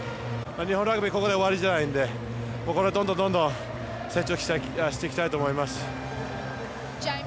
日本ラグビー、ここで終わりじゃないんでどんどん、成長していきたいと思います。